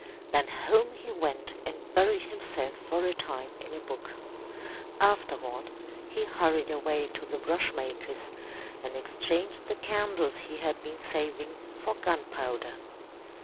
Then home he went and buried himself for a time in a book. Afterward he hurried away to the brush maker's and exchanged the candles he had been saving for gun powder.